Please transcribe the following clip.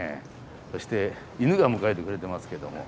そして犬が迎えてくれてますけども。